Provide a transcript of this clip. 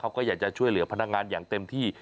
เขาก็อยากจะช่วยเหลือพนักงานอย่างเต็มที่